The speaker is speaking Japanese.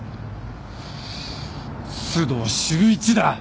須藤修一だ。